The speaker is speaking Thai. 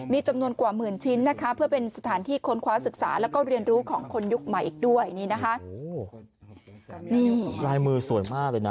มีจำนวนกว่าหมื่นชิ้นเพื่อเป็นสถานที่ค้นคว้าศึกษาและเรียนรู้ของคนยุคใหม่อีกด้วย